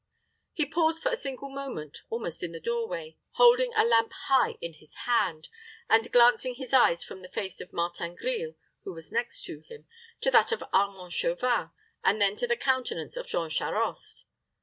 He paused for a single moment, almost in the doorway, holding a lamp high in his hand, and glancing his eyes from the face of Martin Grille, who was next to him, to that of Armand Chauvin, and then to the countenance of Jean Charost.